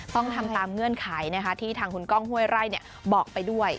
ต้องทำตามเงื่อนไขที่ทางคุณก้องห้วยไร่บอกไปด้วย